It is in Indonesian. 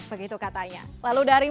begitu katanya lalu dari